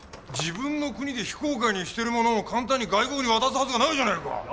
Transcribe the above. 自分の国で非公開にしてるものを簡単に外国に渡すはずがないじゃないか！